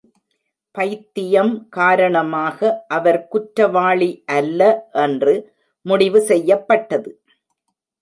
பைத்தியம் காரணமாக அவர் குற்றவாளி அல்ல என்று முடிவு செய்யப்பட்டது.